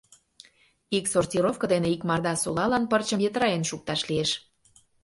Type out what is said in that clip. Ик сортировко дене икмарда солалан пырчым йытыраен шукташ лиеш.